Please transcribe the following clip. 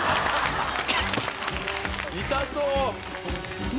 痛そう！